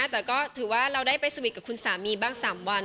แต่ก็ถือว่าเราได้ไปสวิตช์กับคุณสามีบ้าง๓วัน